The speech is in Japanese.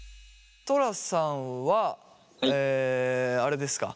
トラさんはあれですか？